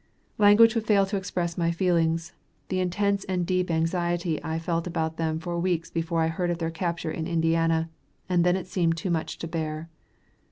Language would fail to express my feelings; the intense and deep anxiety I felt about them for weeks before I heard of their capture in Indiana, and then it seemed too much to bear.